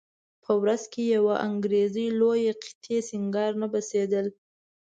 په ورځ کې یوه انګریزي لویه قطي سیګار نه بسېدل.